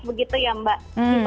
begitu ya mbak